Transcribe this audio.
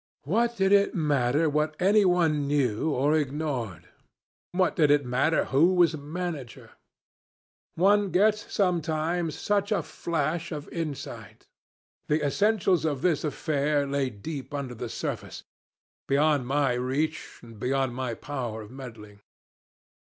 What did it matter what anyone knew or ignored? What did it matter who was manager? One gets sometimes such a flash of insight. The essentials of this affair lay deep under the surface, beyond my reach, and beyond my power of meddling.